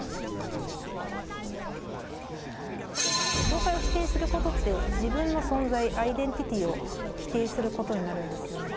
教会を否定することって、自分の存在、アイデンティティーを否定することになるんですよね。